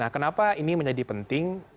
kenapa ini menjadi penting